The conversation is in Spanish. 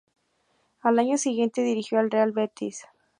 Al año siguiente, dirigió al Real Betis "C".